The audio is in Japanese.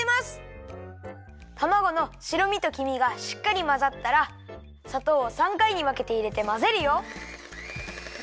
たまごのしろみときみがしっかりまざったらさとうを３かいにわけていれてまぜるよ。